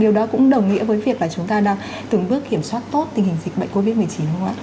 điều đó cũng đồng nghĩa với việc là chúng ta đang từng bước kiểm soát tốt tình hình dịch bệnh covid một mươi chín đúng không ạ